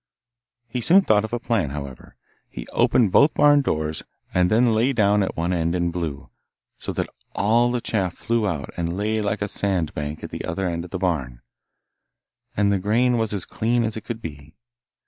He soon thought of a plan, however; he opened both barn doors, and then lay down at one end and blew, so that all the chaff flew out and lay like a sand bank at the other end of the barn, and the grain was as clean as it could be.